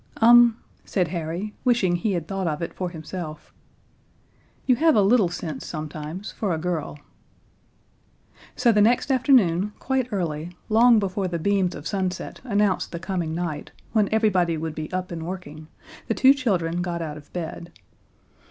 "Um," said Harry, wishing he had thought of it for himself, "you have a little sense sometimes, for a girl." So the next afternoon, quite early, long before the beams of sunset announced the coming night, when everybody would be up and working, the two children got out of bed.